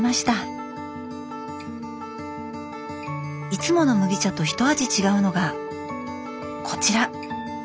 いつもの麦茶とひと味違うのがこちら！